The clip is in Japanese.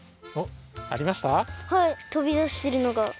はいとびだしてるのが。